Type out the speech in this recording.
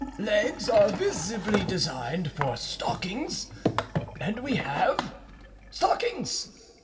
Legs are visibly designed for stockings and we have stockings.